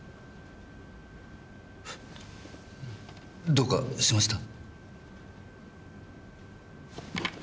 どうかしました？